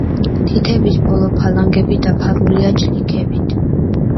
თითების ბოლო ფალანგები დაფარულია ჩლიქებით.